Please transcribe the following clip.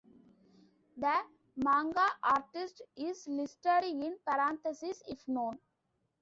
The manga artist is listed in parentheses if known.